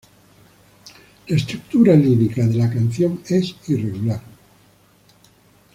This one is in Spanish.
La estructura lírica de la canción es irregular.